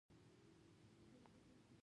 استاد د ناسم فهم اصلاح کوي.